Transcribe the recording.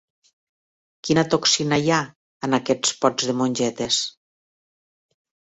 Quina toxina hi ha en aquests pots de mongetes?